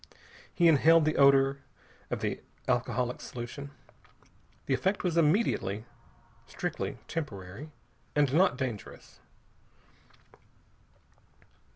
He inhaled the odor of the alcoholic solution. The effect was immediately, strictly temporary, and not dangerous.